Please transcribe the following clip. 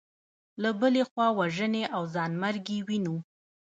له بلې خوا وژنې او ځانمرګي وینو.